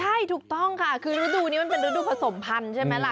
ใช่ถูกต้องค่ะคือฤดูนี้มันเป็นฤดูผสมพันธุ์ใช่ไหมล่ะ